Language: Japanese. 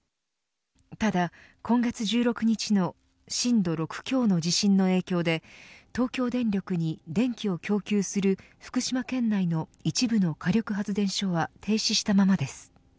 ただ今月１６日の震度６強の地震の影響で東京電力に電気を供給する福島県内の一部の火力発電所は停止したままです。